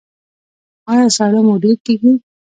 ایا ساړه مو ډیر کیږي؟